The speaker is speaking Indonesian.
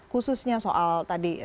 khususnya soal tadi